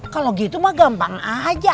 kalau gitu mah gampang aja